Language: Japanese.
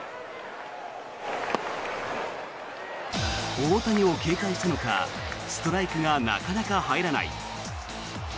大谷を警戒したのかストライクがなかなか入らない。